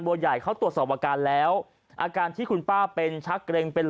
บัวใหญ่เขาตรวจสอบอาการแล้วอาการที่คุณป้าเป็นชักเกร็งเป็น